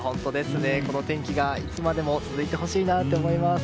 この天気がいつまでも続いてほしいなと思います。